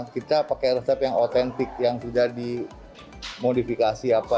kita pakai resep yang otentik yang sudah dimodifikasi apa